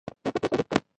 لیاقت یې ثابت کړ.